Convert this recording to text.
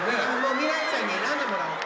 「未徠ちゃんに選んでもらおうか」